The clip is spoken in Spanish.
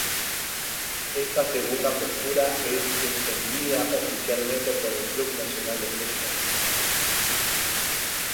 Esta segundo postura es defendida oficialmente por el Club Nacional de Football.